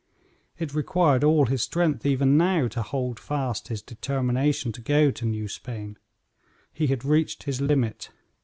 It required all his strength, even now, to hold fast his determination to go to New Spain. He had reached his limit.